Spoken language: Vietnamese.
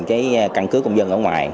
cái căn cứ công dân ở ngoài